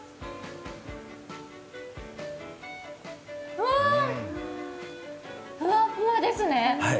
うわ、ふわふわですね。